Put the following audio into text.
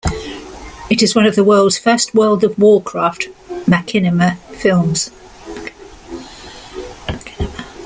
It is one of the world's first World of Warcraft machinima films.